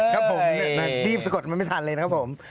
ครับผมรีบสะกดมันไม่ทันเลยนะครับผม